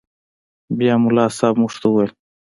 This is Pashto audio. بيا ملا صاحب موږ ته وويل.